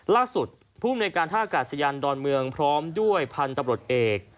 ล่าสุดภูมิในการท่ากาศยานดอนเมืองพร้อมด้วยพันธุ์ตำรวจเอก